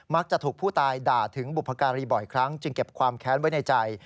ถูกผู้ตายด่าถึงบุพการีบ่อยครั้งจึงเก็บความแค้นไว้ในใจ